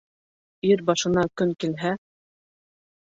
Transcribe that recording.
Ир башына көн килһә